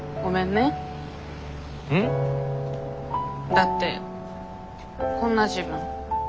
だってこんな自分。